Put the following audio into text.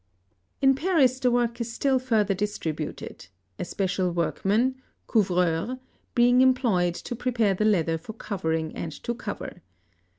In Paris the work is still further distributed, a special workman (couvreur) being employed to prepare the leather for covering and to cover.